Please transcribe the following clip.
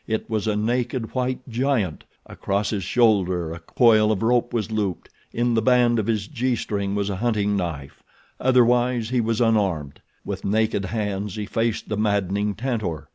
It was a naked white giant. Across his shoulder a coil of rope was looped. In the band of his gee string was a hunting knife. Otherwise he was unarmed. With naked hands he faced the maddening Tantor.